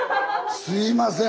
すいません